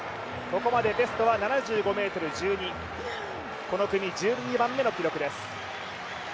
ここまでベストは７５ｍ１２、この組１２番目の記録です。